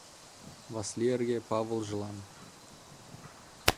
Васли эрге Павылжылан